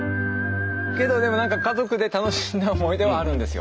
けどでも何か家族で楽しんだ思い出はあるんですよ。